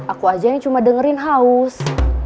aku aja ini cuma dengerin haus